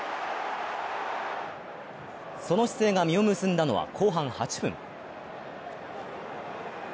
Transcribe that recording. その姿勢が実を結んだのは後半８分。